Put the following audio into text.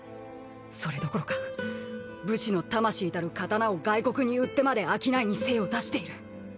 それどころか武士の魂たる刀を外国に売ってまで商いに精を出している。